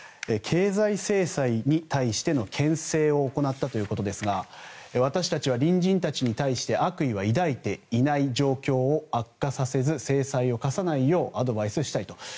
経済制裁に対しての牽制を行ったということですが私たちは隣人たちに対して悪意は抱いていない状況を悪化させず制裁を科さないようアドバイスしたいと。